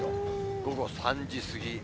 午後３時過ぎ。